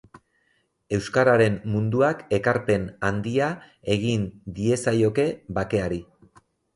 Euskararen munduak ekarpen handia egin diezaioke bakeari.